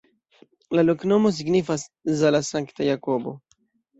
La loknomo signifas: Zala-sankta-Jakobo.